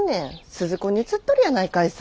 鈴子にうつっとるやないかいさ。